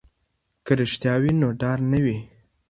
که رښتیا وي نو ډار نه وي.